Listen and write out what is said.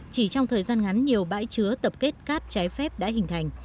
chỉ trong thời gian ngắn nhiều bãi chứa tập kết cát trái phép đã hình thành